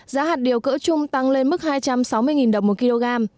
giá hạt điều cỡ chung tăng lên mức hai trăm sáu mươi đồng một kg